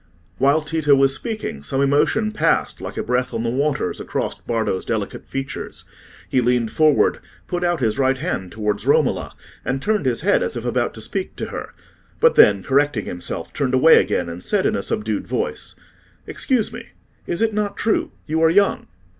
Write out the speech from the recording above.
While Tito was speaking, some emotion passed, like a breath on the waters, across Bardo's delicate features; he leaned forward, put out his right hand towards Romola, and turned his head as if about to speak to her; but then, correcting himself, turned away again, and said, in a subdued voice— "Excuse me; is it not true—you are young?"